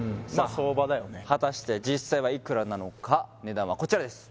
相場だよねさあ果たして実際はいくらなのか値段はこちらです